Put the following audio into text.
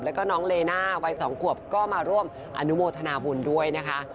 แล้วก็น้องเลน่าวัย๒ขวบก็มาร่วมอนุโมทนาบุญด้วยนะคะ